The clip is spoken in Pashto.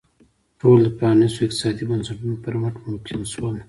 ټول د پرانیستو اقتصادي بنسټونو پر مټ ممکن شول.